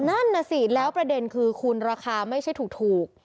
นั่นน่ะสิแล้วประเด็นคือคุณราคาไม่ใช่ถูก